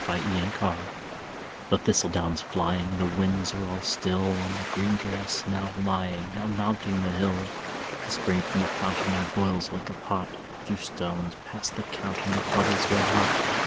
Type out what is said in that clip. Autumn The thistle down's flying, though the winds are all still, On the green grass now lying, now mounting the hill, The spring from the fountain now boils like a pot; Through stones past the counting it bubbles red hot.